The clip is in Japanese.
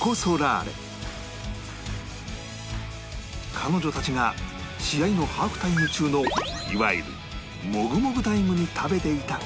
彼女たちが試合のハーフタイム中のいわゆるもぐもぐタイムに食べていた事から